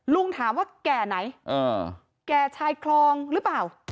ลุงถามว่าแก่ไหนแก่ชายคลองหรือเปล่า